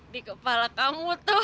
di kepala kamu tuh